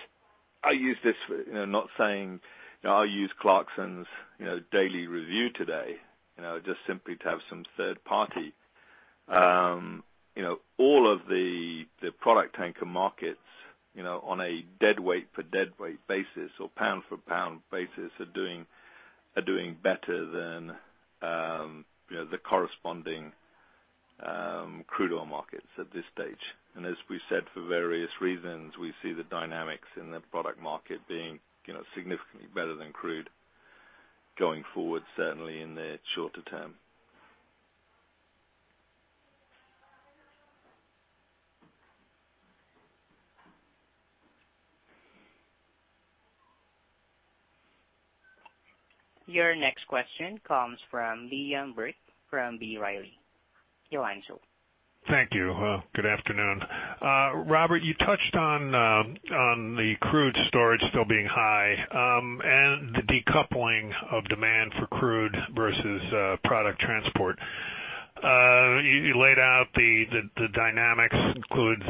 this for not saying I'll use Clarksons' daily review today, just simply to have some third party. All of the product tanker markets, on a deadweight for deadweight basis or pound for pound basis, are doing better than the corresponding crude oil markets at this stage. As we said, for various reasons, we see the dynamics in the product market being significantly better than crude going forward, certainly in the shorter term. Your next question comes from Liam Burke from B. Riley. You'r line isopen. Thank you. Good afternoon. Robert, you touched on the crude storage still being high and the decoupling of demand for crude versus product transport. You laid out the dynamics, including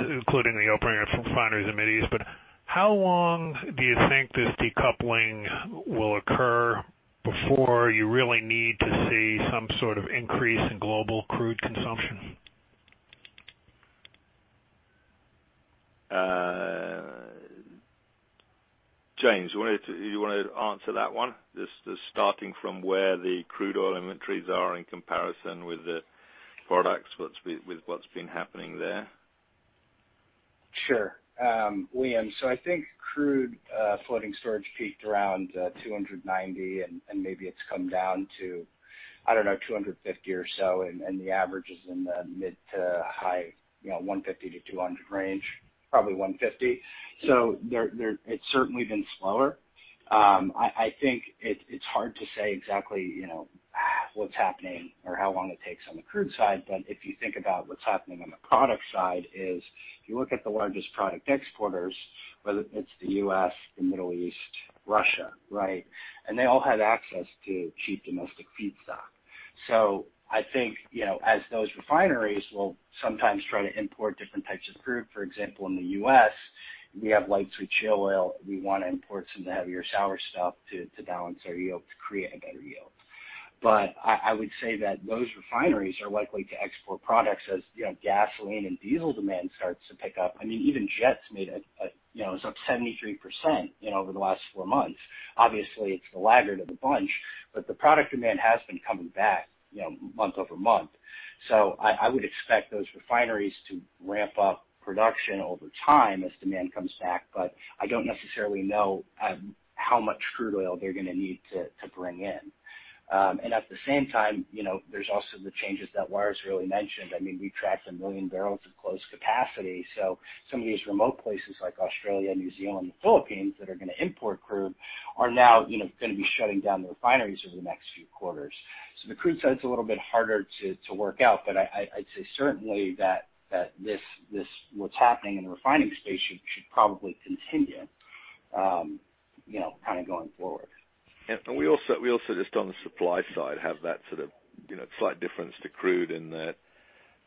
the opening of refineries and Mideast. But how long do you think this decoupling will occur before you really need to see some sort of increase in global crude consumption? James, you want to answer that one? Just starting from where the crude oil inventories are in comparison with the products, with what's been happening there? Sure. William, so I think crude floating storage peaked around 290, and maybe it's come down to, I don't know, 250 or so, and the average is in the mid to high 150 to 200 range, probably 150. So it's certainly been slower. I think it's hard to say exactly what's happening or how long it takes on the crude side. But if you think about what's happening on the product side, if you look at the largest product exporters, whether it's the U.S., the Middle East, Russia, right? And they all have access to cheap domestic feedstock. So I think as those refineries will sometimes try to import different types of crude, for example, in the U.S., we have light sweet shale oil. We want to import some of the heavier sour stuff to balance our yield, to create a better yield. I would say that those refineries are likely to export products as gasoline and diesel demand starts to pick up. I mean, even jets made it up 73% over the last four months. Obviously, it's the laggard of the bunch, but the product demand has been coming back month over month. So I would expect those refineries to ramp up production over time as demand comes back, but I don't necessarily know how much crude oil they're going to need to bring in. And at the same time, there's also the changes that Lars really mentioned. I mean, we tracked a million barrels of closed capacity. So some of these remote places like Australia, New Zealand, the Philippines that are going to import crude are now going to be shutting down the refineries over the next few quarters. The crude side is a little bit harder to work out, but I'd say certainly that what's happening in the refining space should probably continue kind of going forward. And we also just on the supply side have that sort of slight difference to crude in that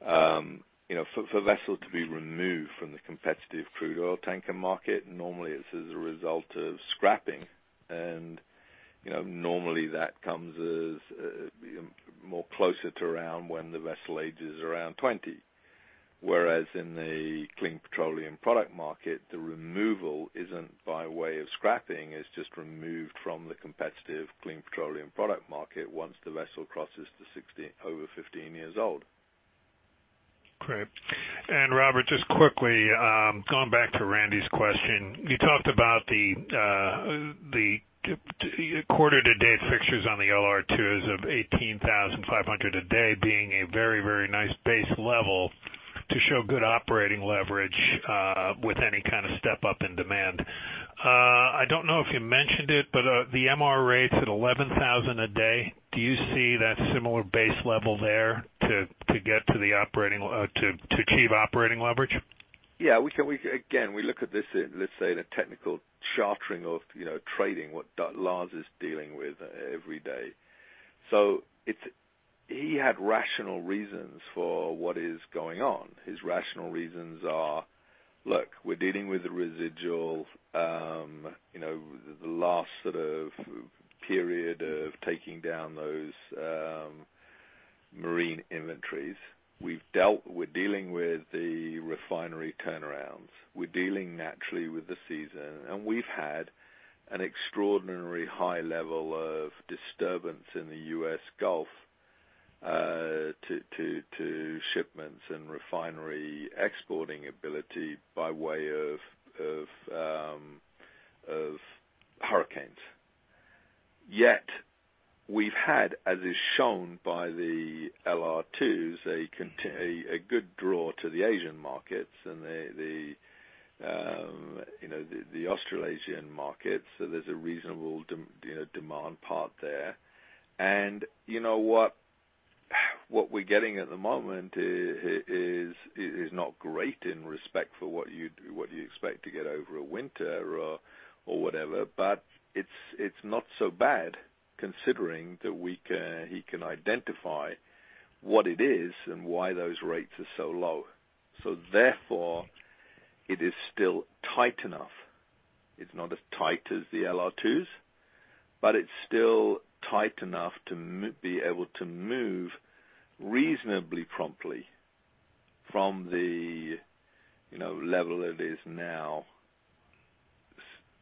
for vessels to be removed from the competitive crude oil tanker market, normally it's as a result of scrapping. And normally that comes more closer to around when the vessel ages around 20. Whereas in the clean petroleum product market, the removal isn't by way of scrapping. It's just removed from the competitive clean petroleum product market once the vessel crosses over 15 years old. Okay. And Robert, just quickly, going back to Randy's question, you talked about the quarter-to-day fixtures on the LR2s of $18,500 a day being a very, very nice base level to show good operating leverage with any kind of step-up in demand. I don't know if you mentioned it, but the MR rates at $11,000 a day, do you see that similar base level there to get to the operating to achieve operating leverage? Yeah. Again, we look at this, let's say, the technical chartering of trading, what Lars is dealing with every day. So he had rational reasons for what is going on. His rational reasons are, "Look, we're dealing with a residual the last sort of period of taking down those marine inventories. We're dealing with the refinery turnarounds. We're dealing naturally with the season. And we've had an extraordinary high level of disturbance in the U.S. Gulf to shipments and refinery exporting ability by way of hurricanes." Yet we've had, as is shown by the LR2s, a good draw to the Asian markets and the Australasian markets. So there's a reasonable demand part there. And you know what? What we're getting at the moment is not great in respect for what you expect to get over a winter or whatever, but it's not so bad considering that he can identify what it is and why those rates are so low. So therefore, it is still tight enough. It's not as tight as the LR2s, but it's still tight enough to be able to move reasonably promptly from the level it is now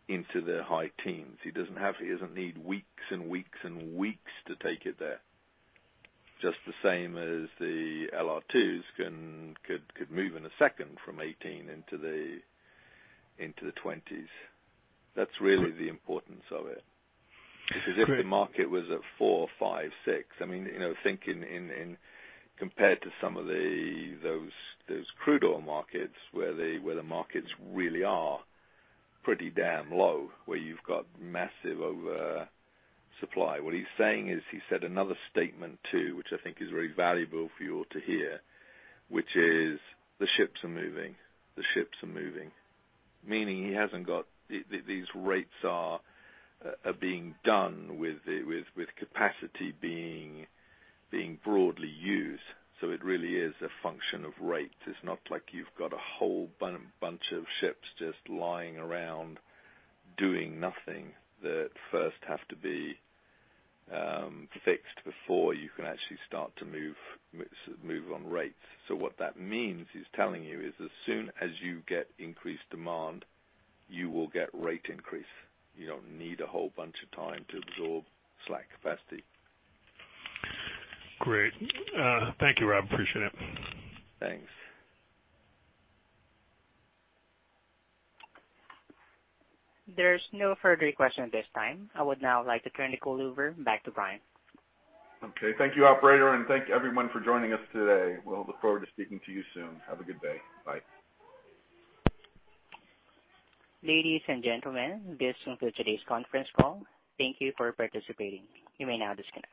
into the high teens. He doesn't need weeks and weeks and weeks to take it there, just the same as the LR2s could move in a second from 18 into the 20s. That's really the importance of it. Because if the market was at 4, 5, 6, I mean, thinking compared to some of those crude oil markets where the markets really are pretty damn low, where you've got massive oversupply. What he's saying is he said another statement too, which I think is very valuable for you all to hear, which is, "The ships are moving. The ships are moving." Meaning he hasn't got these rates are being done with capacity being broadly used. So it really is a function of rates. It's not like you've got a whole bunch of ships just lying around doing nothing that first have to be fixed before you can actually start to move on rates. So what that means he's telling you is as soon as you get increased demand, you will get rate increase. You don't need a whole bunch of time to absorb slack capacity. Great. Thank you, Rob. Appreciate it. Thanks. There's no further question at this time. I would now like to turn the call over back to Brian. Okay. Thank you, operator, and thank everyone for joining us today. We'll look forward to speaking to you soon. Have a good day. Bye. Ladies and gentlemen, this concludes today's conference call. Thank you for participating. You may now disconnect.